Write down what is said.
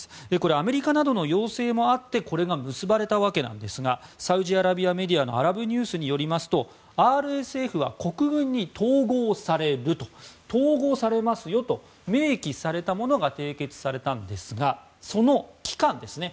アメリカなどの要請もあってこれが結ばれたわけなんですがサウジアラビアメディアのアラブニュースによりますとＲＳＦは国軍に統合されますよと明記されたものが締結されたんですがその期間ですね。